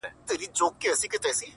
o كومه يوه خپله كړم،